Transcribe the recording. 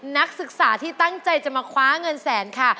นักศึกษาที่ตั้งใจจะมาคว้าเงินแสนค่ะ